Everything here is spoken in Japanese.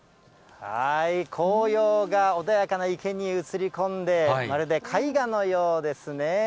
紅葉が穏やかな池に移り込んで、まるで絵画のようですね。